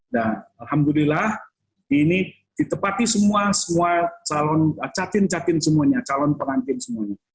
nah alhamdulillah ini ditepati semua semua calon catin catin semuanya calon pengantin semuanya